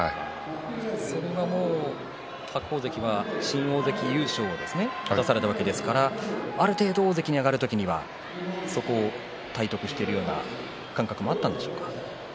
それはもう白鵬関は新大関優勝されましたがある程度大関に上がる時はそこを体得しているような感覚もあったんでしょうか。